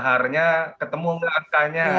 maharnya ketemu nggak akannya